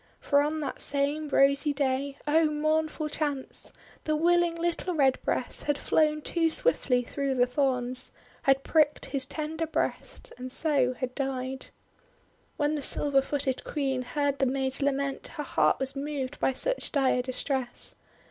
For on that same rosy day, — oh, mournful chance !— the willing little Redbreast had flown too swiftly through the thorns, had pricked his tender breast, and so had died. When the silver footed Queen heard the maid's lament, her heart was moved by such dire distress.